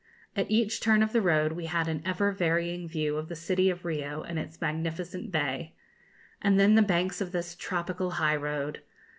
At each turn of the road we had an ever varying view of the city of Rio and its magnificent bay. And then the banks of this tropical high road!